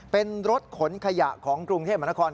เป็นรถขนขยะของกรุงเทพมหานคร